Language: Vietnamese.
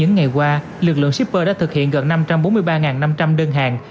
những ngày qua lực lượng shipper đã thực hiện gần năm trăm bốn mươi ba năm trăm linh đơn hàng